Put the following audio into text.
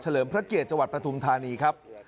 เลิมพระเกียรติจังหวัดปฐุมธานีครับ